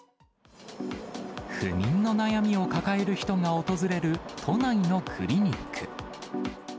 不眠の悩みを抱える人が訪れる、都内のクリニック。